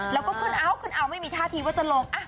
แล้วก็ขึ้นเอาขึ้นเอาไม่มีท่าทีว่าจะลง